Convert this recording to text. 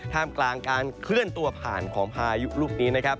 กลางการเคลื่อนตัวผ่านของพายุลูกนี้นะครับ